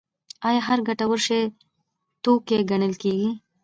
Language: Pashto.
آیا هر ګټور شی توکی ګڼل کیږي؟